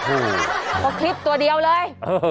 ใครเขาคลิปตัวเดียวเลย